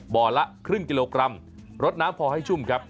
บ่อละครึ่งกิโลกรัมรดน้ำพอให้ชุ่มครับ